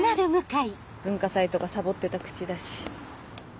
文化祭とかさぼってたクチだし。